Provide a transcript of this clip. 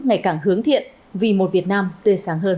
ngày càng hướng thiện vì một việt nam tươi sáng hơn